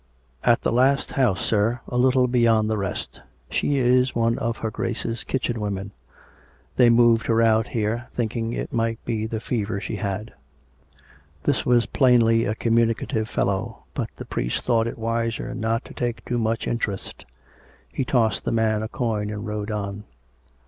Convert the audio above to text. " At the last house, sir — a little beyond the rest. She is one of her Grace's kitchen women. They moved her out here, thinking it might be the fever she had." This was plainly a communicative fellow; but the priest thought it wiser not to take too much interest. He tossed the man a coin and rode on.